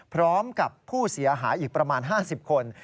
พร้อมกับผู้เสียหายอีกประมาณ๕๐คน